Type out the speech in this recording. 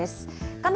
画面